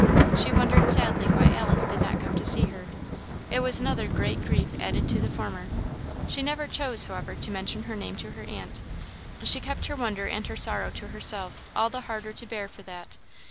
She wondered sadly why Alice did not come to see her; it was another great grief added to the former. She never chose, however, to mention her name to her aunt. She kept her wonder and her sorrow to herself all the harder to bear for that.